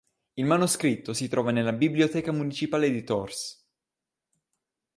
Il manoscritto si trova nella Biblioteca municipale di Tours.